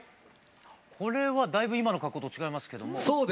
これはだいぶ今の格好と違いますけども。